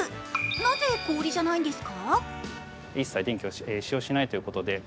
なぜ氷じゃないんですか？